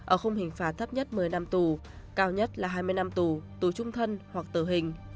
ở khung hình phạt thấp nhất một mươi năm tù cao nhất là hai mươi năm tù tù trung thân hoặc tử hình